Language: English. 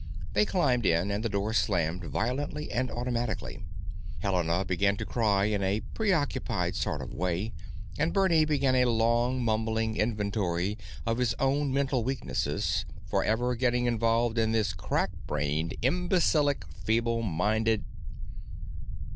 They climbed in and the door slammed violently and automatically. Helena began to cry in a preoccupied sort of way and Bernie began a long, mumbling inventory of his own mental weaknesses for ever getting involved in this crackbrained, imbecilic, feeble minded....